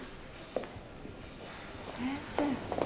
先生。